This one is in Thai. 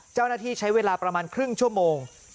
เจ้าหน้าที่ใช้เวลาประมาณครึ่งชั่วโมง